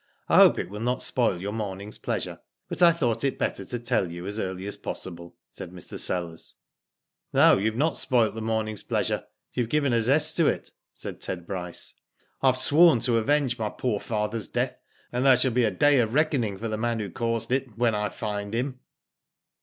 I hope it will not spoil your morning's pleasure, but I thought it better to tell you as early as possible," said Mr. Sellers. No, you have not spoilt the morning's pleasure; you have given a zest to it," said Ted Bryce. '* I have sworn to avenge my poor father's death, and there shall be a day of reckoning for the man who caused it when I find him."